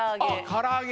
から揚げ。